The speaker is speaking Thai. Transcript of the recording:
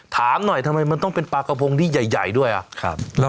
ถามหน่อยทำไมมันต้องเป็นปลากระพงที่ใหญ่ด้วยอ่ะครับ